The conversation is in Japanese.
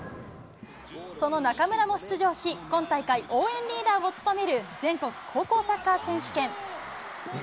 その中村も出場し、今大会、応援リーダーを務める全国高校サッカー選手権。